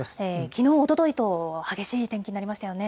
きのう、おとといと激しい天気になりましたよね。